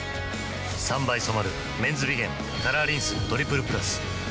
３倍染まる「メンズビゲンカラーリンストリプルプラス」